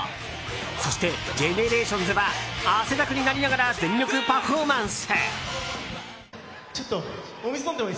そしてＧＥＮＥＲＡＴＩＯＮＳは汗だくになりながら全力パフォーマンス。